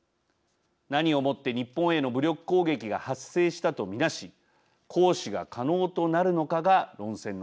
何をもって日本への武力攻撃が発生したと見なし行使が可能となるのかが論戦の焦点になりました。